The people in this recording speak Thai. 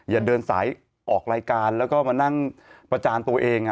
อย่าเดินสายออกรายการแล้วก็มานั่งประจานตัวเอง